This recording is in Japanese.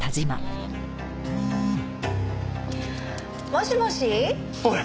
もしもし？おい！